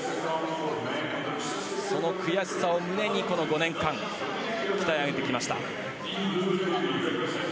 その悔しさを胸にこの５年間鍛え上げてきました。